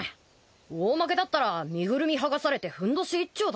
大負けだったら身ぐるみ剥がされてふんどし一丁だな。